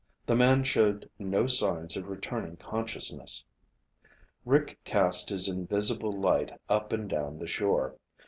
The man showed no signs of returning consciousness. Rick cast his invisible light up and down the shore.